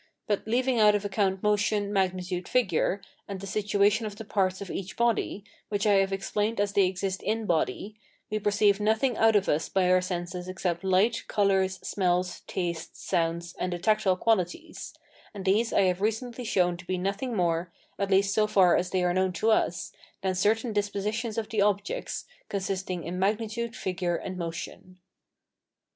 But leaving out of account motion, magnitude, figure, [and the situation of the parts of each body], which I have explained as they exist in body, we perceive nothing out of us by our senses except light, colours, smells, tastes, sounds, and the tactile qualities; and these I have recently shown to be nothing more, at least so far as they are known to us, than certain dispositions of the objects, consisting in magnitude, figure, and motion.